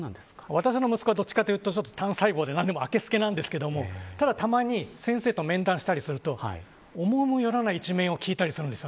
私の息子はどうしても単細胞で、あけすけなんですけどただたまに先生と面談したりすると思いもよらない一面を聞いたりします。